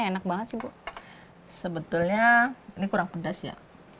enak banget sih bu sebetulnya ini kurang pedas ya